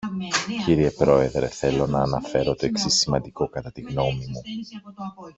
Κύριε Πρόεδρε, θέλω να αναφέρω το εξής σημαντικό κατά τη γνώμη μου.